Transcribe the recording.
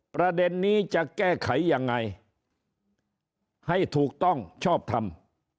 ประเด็นนี้จะแก้ไขยังไงให้ถูกต้องชอบทำ